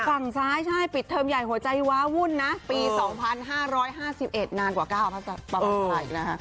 ฝั่งซ้ายใช่ปิดเทอมใหญ่หัวใจว้าวุ่นนะปี๒๕๕๑นานกว่า๙ประมาณอีกนะฮะ